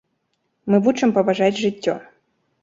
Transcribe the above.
Мы вучым паважаць жыццё.